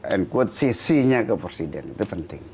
and quote sisinya ke presiden itu penting